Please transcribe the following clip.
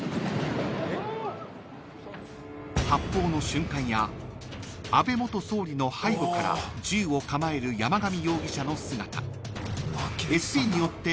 ［発砲の瞬間や安倍元総理の背後から銃を構える山上容疑者の姿］